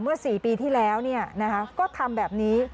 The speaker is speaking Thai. ๔ปีที่แล้วก็ทำแบบนี้